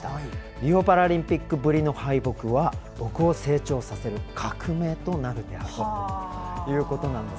リオパラリンピックぶりの敗北は僕を成長させる革命となるであろうと。